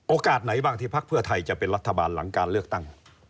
ไหนบ้างที่พักเพื่อไทยจะเป็นรัฐบาลหลังการเลือกตั้ง